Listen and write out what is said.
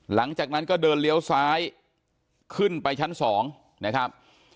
หลังจากนั้นก็เดินเลี้ยวซ้ายขึ้นไปชั้น๒นะครับ